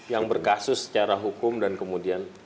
yang berkasus secara hukum dan kemudian